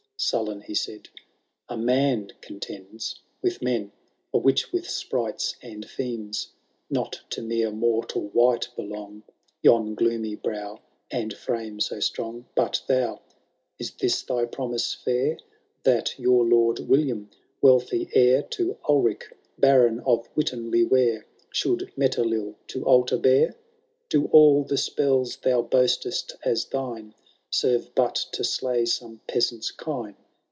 Sullen he said, *•*• A man contends With men, a witch with sprites and fiends *, Kot to mere mortal wight belong Yon gloomy brow and frame so strong. But thou ^ is this thy promise fair. That your Lord William, wealthy heir To Ulrick, Baron of Witton le Wear, Should Metelill to altar bear ? Do all the spells thou boast'st as thine Serve but to slay some peasant's kine.